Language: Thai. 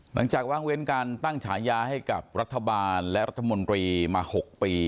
หลังจากว่างเว้นการตั้งฉายาให้กับรัฐบาลและรัฐมนตรีมา๖ปี